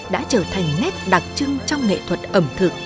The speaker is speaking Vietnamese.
đã trở thành nét đặc trưng trong nghệ thuật ẩm thực